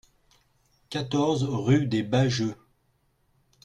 quatorze rue des Bajeux